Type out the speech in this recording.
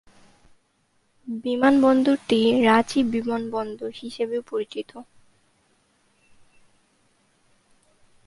বিমানবন্দরটি রাঁচি বিমানবন্দর হিসাবেও পরিচিত।